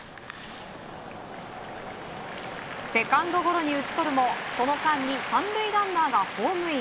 セカンドゴロに打ち取るもその間に３塁ランナーがホームイン。